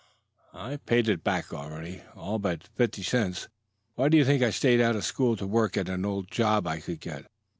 "I've paid it back already, all but fifty cents. Why do you think I stayed out of school to work at any old job I could get?